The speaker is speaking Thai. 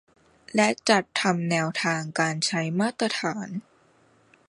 และจัดทำแนวทางการใช้มาตรฐาน